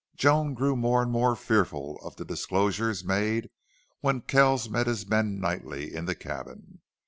Joan grew more and more fearful of the disclosures made when Kells met his men nightly in the cabin.